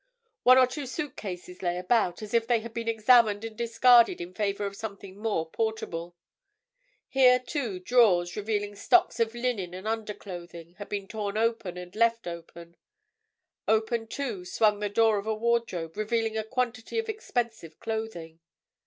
One or two suitcases lay about, as if they had been examined and discarded in favour of something more portable; here, too, drawers, revealing stocks of linen and underclothing, had been torn open and left open; open, too, swung the door of a wardrobe, revealing a quantity of expensive clothing.